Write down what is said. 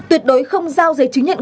và không giao giấy chứng nhận